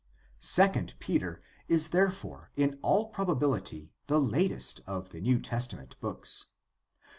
II Peter is therefore in all proba bility the latest of the New Testament books.